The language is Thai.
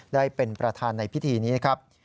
ได้เป็นประธานในพิธีนี้นะครับ